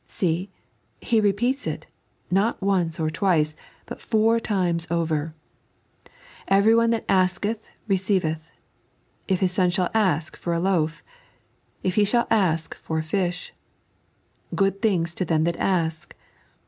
See I He repeats it, not once or twice, but four times over, " Everyone that aak^ roceiveth ";" if his son shall ask for a loaf ";" if he shall ask for a fish ";" good things to them that ask."